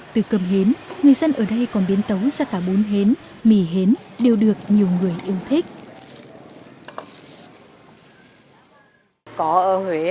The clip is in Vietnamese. từ cơm hến người dân ở đây còn biến tấu ra cả bốn hến mì hến đều được nhiều người yêu thích